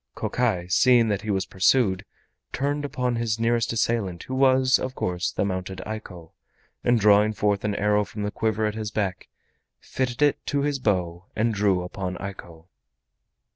Kokai, seeing that he was pursued, turned upon his nearest assailant, who was, of course, the mounted Eiko, and drawing forth an arrow from the quiver at his back, fitted it to his bow and drew upon Eiko.